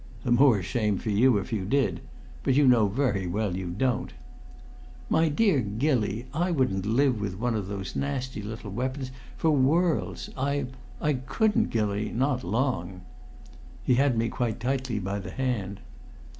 "The more shame for you, if you did; but you know very well you don't." "My dear Gilly, I wouldn't live with one of those nasty little weapons for worlds. I I couldn't, Gilly not long!" He had me quite tightly by the hand.